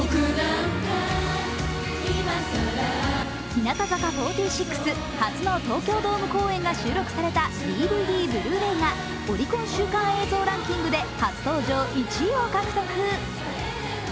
日向坂４６初の東京ドーム公演が収録されたＤＶＤ・ブルーレイがオリコン週間映像ランキングで初登場１位を獲得。